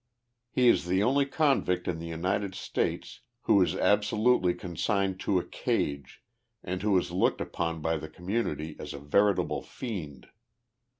He is the only convict in the United States who is absolutely consigned to a cage, and who is looked upon bj' the community as a veritable fiend.